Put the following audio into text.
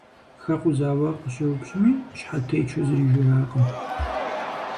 Хэкъузауэ къыщеупщӏми, щхьэтечу зыри жиӏакъым.